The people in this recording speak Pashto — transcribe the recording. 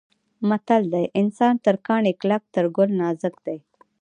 متل دی: انسان تر کاڼي کلک تر ګل نازک دی.